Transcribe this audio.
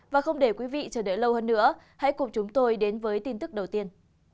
và không để quý vị chờ đợi lâu hơn nữa hãy cùng chúng tôi đến với tin tức đầu tiên